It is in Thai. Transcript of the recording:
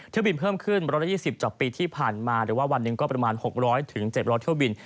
เที่ยวบินเพิ่มขึ้น๑๒๐จากปีที่ผ่านมาหรือว่าวันหนึ่งก็ประมาณ๖๐๐๗๐๐เที่ยวบิน